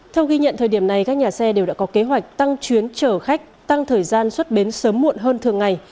theo ghi nhận thời điểm này các nhà xe đều đã có kế hoạch tăng chuyến chở khách tăng thời gian xuất bến sớm muộn hơn thường ngày